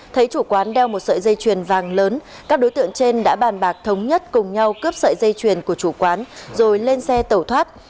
thấy chủ quán đeo một sợi dây chuyền vàng lớn các đối tượng trên đã bàn bạc thống nhất cùng nhau cướp sợi dây chuyền của chủ quán rồi lên xe tẩu thoát